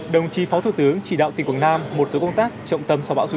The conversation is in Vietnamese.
đồng chí phó thủ tướng chỉ đạo tỉnh quảng nam một số công tác trọng tâm sau bão số chín